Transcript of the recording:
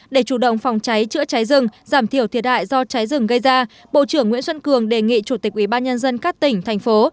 để chủ động phòng cháy chữa cháy rừng giảm thiểu thiệt hại do cháy rừng gây ra bộ trưởng nguyễn xuân cường đề nghị chủ tịch ubnd các tỉnh thành phố